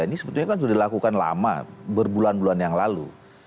ini sebetulnya kan sudah dilakukan lama berbulan bulan yang lalu